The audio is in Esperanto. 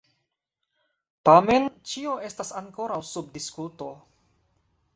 Tamen ĉio estas ankoraŭ sub diskuto.